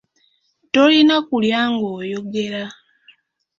Tolina kulya ng'oyogera.